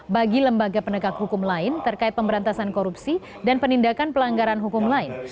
bagi lembaga penegak hukum lain terkait pemberantasan korupsi dan penindakan pelanggaran hukum lain